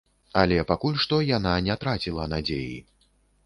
Але пакуль што яна не траціла надзеі.